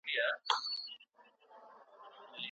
ولې افغان سوداګر ساختماني مواد له پاکستان څخه واردوي؟